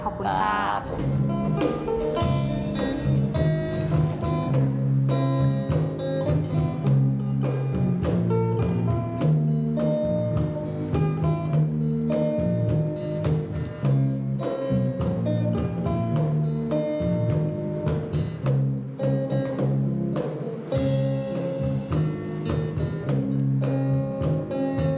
ขอบคุณครับ